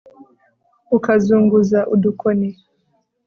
ukazunguza udukoni